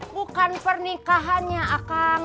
bukan pernikahannya akang